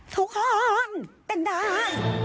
ทุกคนเป็นได้